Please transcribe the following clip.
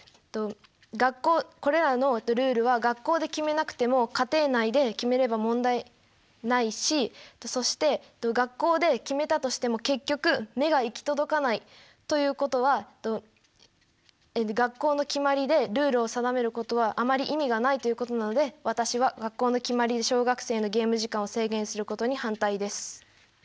学校これらのルールは学校で決めなくても家庭内で決めれば問題ないしそして学校で決めたとしても結局目が行き届かないということは学校の決まりでルールを定めることはあまり意味がないということなので私は学校の決まりで小学生のゲーム時間を制限することに反対です。